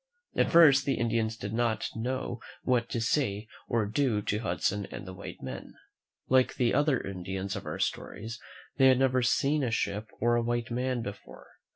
At first the Indians did not know what to say or do to Hudson and the white men. Like the other Indians of our stories, they had never seen a ship or a white man before.